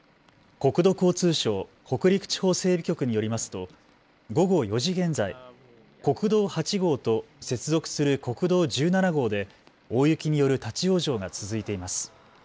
国土交通省北陸地方整備局によりますと午後４時現在、国道８号と接続する国道１７号で大雪による立往生が続いています。